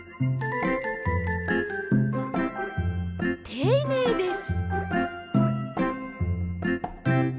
ていねいです！